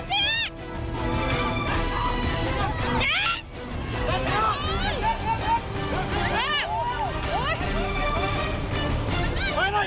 อาเสอร์เมื่อทีอาเสอร์เมืองเฮี้ย